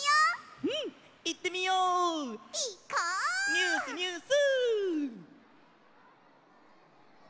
ニュースニュース！